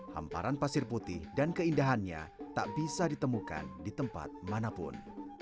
hamparan pasir putih dan keindahannya tak bisa ditemukan di tempat manapun